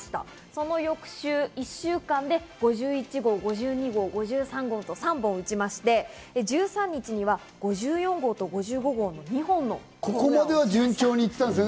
その翌週１週間で５１号、５２号、５３号と３本を打ちまして、１３日には５４号と５５号の２本のホームランです。